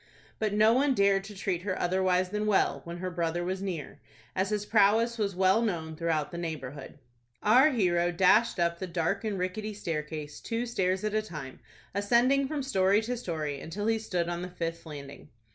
But no one dared to treat her otherwise than well, when her brother was near, as his prowess was well known throughout the neighborhood. Our hero dashed up the dark and rickety stair case, two stairs at a time, ascending from story to story, until he stood on the fifth landing.